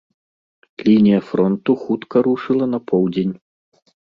Лінія фронту хутка рушыла на поўдзень.